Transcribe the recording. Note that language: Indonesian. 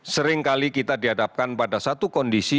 seringkali kita dihadapkan pada satu kondisi